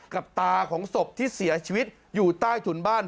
ตาของศพที่เสียชีวิตอยู่ใต้ถุนบ้าน